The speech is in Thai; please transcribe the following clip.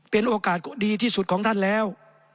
เป็นโอกาสดีที่สุดของท่านแล้ว